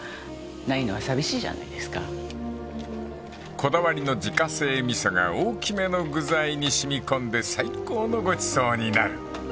［こだわりの自家製味噌が大きめの具材に染み込んで最高のごちそうになる］